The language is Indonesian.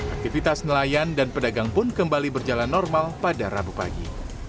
aktivitas nelayan dan pedagang pun kembali berjalan normal pada rabu pagi